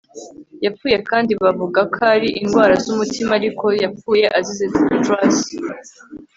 Yapfuyekandi bavuga ko ari indwara zumutima ariko yapfuye azize truss